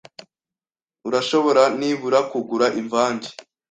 Urashobora nibura kugura imvange.